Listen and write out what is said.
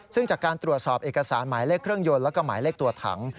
ซึ่งจากการตรวจสอบเอกสารหมายเลขเครื่องยนต์แล้วก็หมายเลขตัวถัง